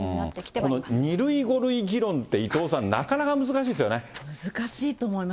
この２類、５類議論って、伊藤さん、難しいと思います。